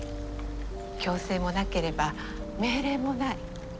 強制もなければ命令もない。